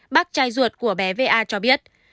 bác trai ruột của bé v a cho biết